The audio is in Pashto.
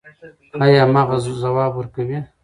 ایا مغز ځواب ورکوي؟